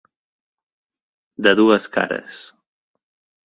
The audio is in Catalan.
De dues cares.